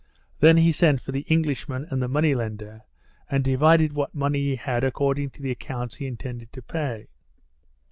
Then he sent for the Englishman and the money lender, and divided what money he had according to the accounts he intended to pay.